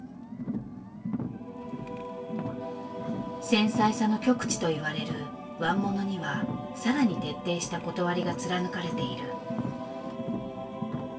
繊細さの極地と言われる椀ものには更に徹底した理が貫かれている。